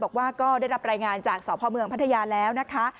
บอกว่าก็ได้รับรายงานจากสพเมืองพัทยาแล้วนะคะ